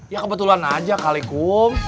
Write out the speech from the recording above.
ya kebetulan aja kali kum